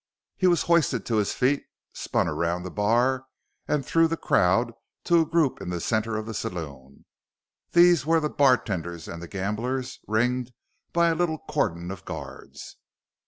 He was hoisted to his feet, spun around the bar and through the crowd to a group in the center of the saloon. These were the bartenders and the gamblers, ringed by a little cordon of guards.